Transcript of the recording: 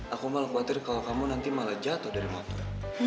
aku malah khawatir kalau kamu nanti malah jatuh dari motor